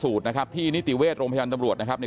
อยู่ดีมาตายแบบเปลือยคาห้องน้ำได้ยังไง